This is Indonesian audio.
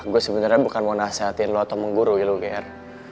gua sebenernya bukan mau nasehatin lo atau menggurui lo ger